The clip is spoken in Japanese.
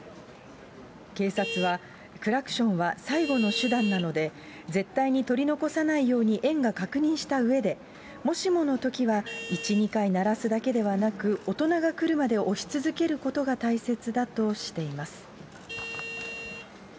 警察は、クラクションは最後の手段なので、絶対に取り残さないように園が確認したうえで、もしものときは、１、２回鳴らすだけではなく、大人が来るまで押し続けることが大切だとしています。